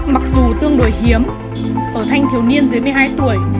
mặc dù tương đối hiếm ở thanh thiếu niên dưới một mươi hai tuổi